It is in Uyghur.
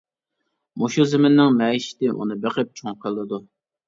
مۇشۇ زېمىننىڭ مەئىشىتى ئۇنى بېقىپ چوڭ قىلىدۇ.